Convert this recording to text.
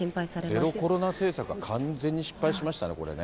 ゼロコロナ政策は完全に失敗しましたね、これね。